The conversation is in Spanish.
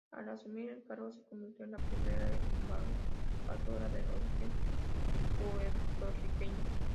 Al asumir el cargo se convirtió en la primera embajadora de origen puertorriqueño.